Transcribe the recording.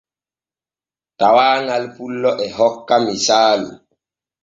Tawaaŋal pullo e hokka misaalu.